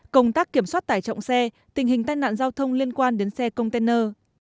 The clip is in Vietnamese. công tác kiểm soát tải trọng xe tình hình tai nạn giao thông liên quan đến xe container